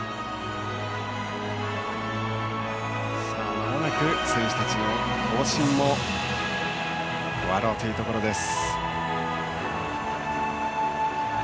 まもなく選手たちの行進も終わろうというところです。